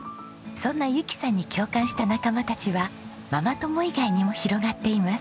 そんなゆきさんに共感した仲間たちはママ友以外にも広がっています。